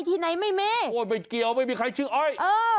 ที่ไหนไม่มีโอ้ยไม่เกี่ยวไม่มีใครชื่ออ้อยเออ